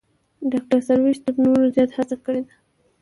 ډاکتر سروش تر نورو زیات هڅه کړې ده.